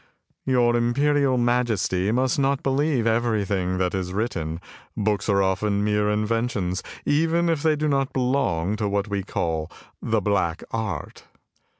" Your imperial majesty must not believe everything that is written; books are often mere inventions, even if they do not belong to what we call the black art!